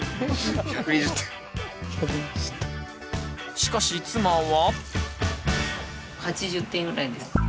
しかし妻は。